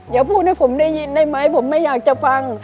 อย่าพูดให้ผมได้ยินได้ไหมผมไม่อยากจะฟัง